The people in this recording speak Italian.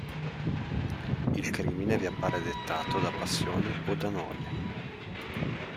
Il crimine vi appare dettato da passione o da noia.